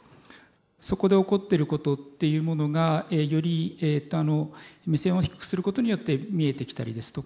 そこで起こってることっていうものがより目線を低くすることによって見えてきたりですとか